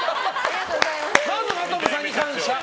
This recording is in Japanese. まずは真飛さんに感謝